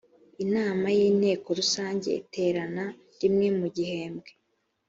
inama y’inteko rusange iterana rimwe mu gihembwe